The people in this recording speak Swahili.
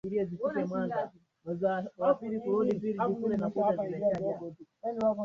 za kama rais yudhoyono alivyotangulia kusema